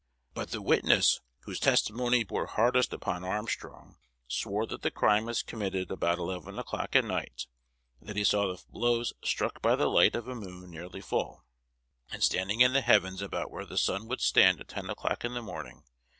But the witness whose testimony bore hardest upon Armstrong swore that the crime was committed about eleven o'clock at night, and that he saw the blows struck by the light of a moon nearly full, and standing in the heavens about where the sun would stand at ten o'clock in the morning.